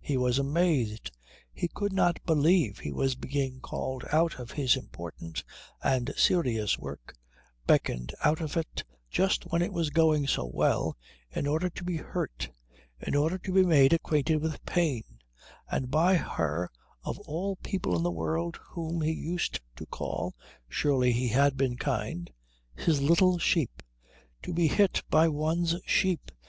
He was amazed. He could not believe he was being called out of his important and serious work, beckoned out of it just when it was going so well, in order to be hurt, in order to be made acquainted with pain, and by her of all people in the world whom he used to call surely he had been kind? his little sheep. To be hit by one's sheep!